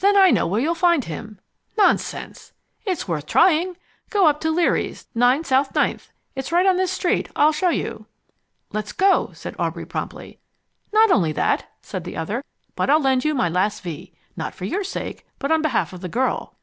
"Then I know where you'll find him." "Nonsense!" "It's worth trying. Go up to Leary's, 9 South Ninth. It's right on this street. I'll show you." "Let's go," said Aubrey promptly. "Not only that," said the other, "but I'll lend you my last V. Not for your sake, but on behalf of the girl.